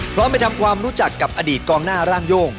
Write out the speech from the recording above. ไปทำความรู้จักกับอดีตกองหน้าร่างโย่ง